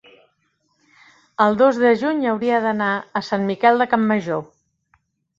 el dos de juny hauria d'anar a Sant Miquel de Campmajor.